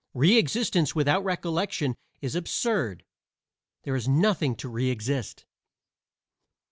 Re existence without recollection is absurd. There is nothing to re exist.